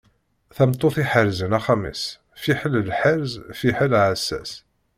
Tameṭṭut iḥerzen axxam-is, fiḥel lḥerz fiḥel aɛessas.